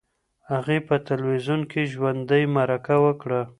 هغې په تلویزیون کې ژوندۍ مرکه وکړه.